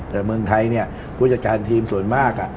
แต่เมืองไทยเนี่ยผู้จัดการทีมส่วนมาก